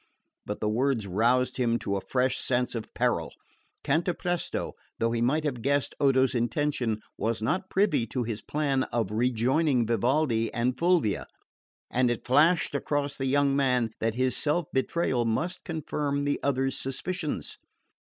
But the words roused him to a fresh sense of peril. Cantapresto, though he might have guessed Odo's intention, was not privy to his plan of rejoining Vivaldi and Fulvia; and it flashed across the young man that his self betrayal must confirm the others' suspicions.